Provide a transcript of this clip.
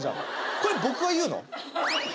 これ僕が言うの？